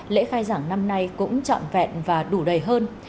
lễ khai giảng năm nay cũng trọn vẹn và đủ đầy hơn